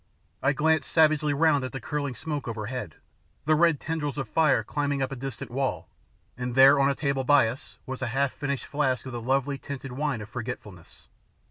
I glanced savagely round at the curling smoke overhead, the red tendrils of fire climbing up a distant wall, and there on a table by us was a half finished flask of the lovely tinted wine of forgetfulness.